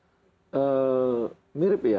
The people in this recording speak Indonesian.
hampir semua kan kelompoknya